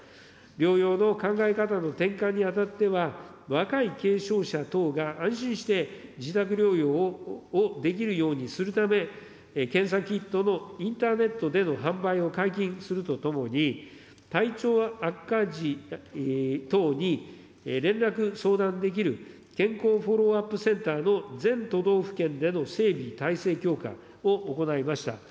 療養の考え方の転換に当たっては、若い軽症者等が安心して自宅療養をできるようにするため、検査キットのインターネットでの販売を解禁するとともに、体調悪化時等に連絡、相談できる健康フォローアップセンターの全都道府県での整備、体制強化を行いました。